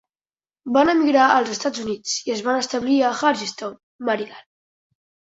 Van emigrar als Estats Units i es van establir en Hagerstown, Maryland.